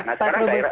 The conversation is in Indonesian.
baik pak trubus